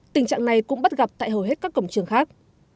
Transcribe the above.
tình trạng này cũng bắt gặp tại hầu hết các cổng trường khác